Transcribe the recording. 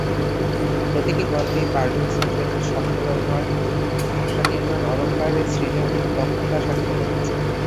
প্রতিটি গল্পেই পারভেজ হোসেন শব্দ-ব্যবহার, ভাষা-নির্মাণ, অলংকার সৃজনে দক্ষতার স্বাক্ষর রেখেছেন।